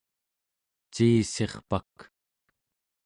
ciissirpak